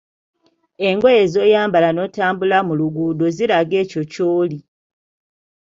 Engoye z‘oyambala n‘otambula mu luguudo ziraga ekyo ky‘oli.